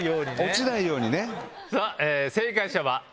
落ちないようにね。